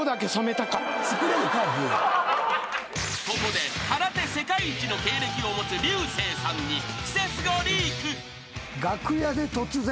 ［ここで空手世界一の経歴を持つ流星さんに］